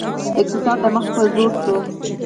اقتصاد مخ په ځوړ شو